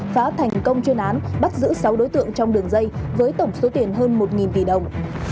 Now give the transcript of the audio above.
phá thành công chuyên án bắt giữ sáu đối tượng trong đường dây với tổng số tiền hơn một tỷ đồng